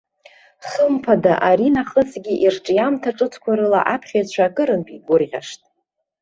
Хымԥада аринахысгьы ирҿиамҭа ҿыцқәа рыла аԥхьаҩцәа акырынтә игәырӷьашт.